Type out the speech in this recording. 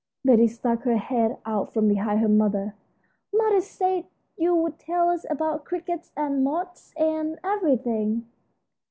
Betty stuck her head out from behind her mother. "Mother said you would tell us about crickets and moths, and everything."